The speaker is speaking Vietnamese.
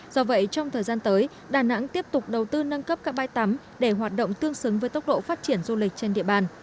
do vậy trong thời gian tới đà nẵng tiếp tục đầu tư nâng cấp các bãi tắm để hoạt động tương xứng với tốc độ phát triển du lịch trên địa bàn